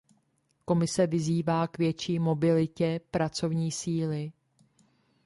Komise vyzývá k větší mobilitě pracovní síly.